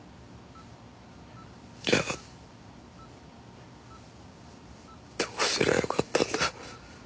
じゃあどうすりゃよかったんだ。